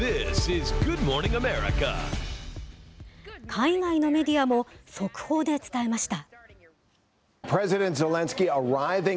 海外のメディアも、速報で伝えました。